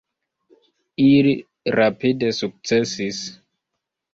Ili rapide sukcesis.